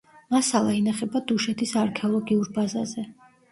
მასალა ინახება დუშეთის არქეოლოგიურ ბაზაზე.